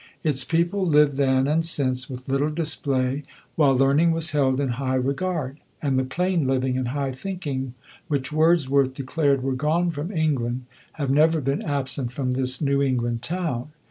Its people lived then and since with little display, while learning was held in high regard; and the "plain living and high thinking," which Wordsworth declared were gone from England, have never been absent from this New England town.